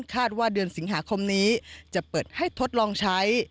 คาดว่าเดือนสิงหาคมนี้จะเปิดให้ทดลองใช้